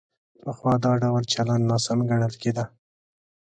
پخوا دا ډول چلند ناسم ګڼل کېده.